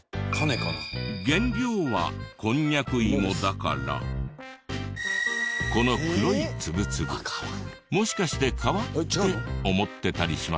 原料はこんにゃく芋だからこの黒いツブツブもしかして皮って思ってたりしませんか？